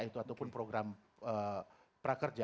ataupun program prakerja